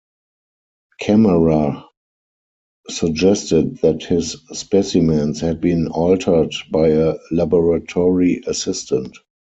Kammerer suggested that his specimens had been altered by a laboratory assistant.